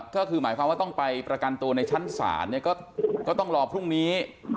ก็คือหมายความว่าต้องไปประกันตัวในชั้นศาลก็ต้องรอพรุ่งนี้